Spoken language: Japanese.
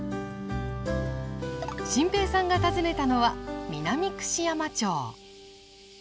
心平さんが訪ねたのは南串山町。